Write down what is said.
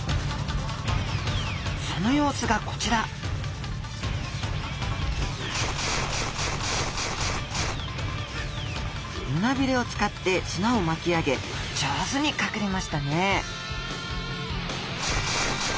その様子がこちら胸ビレを使って砂を巻き上げ上手に隠れましたね！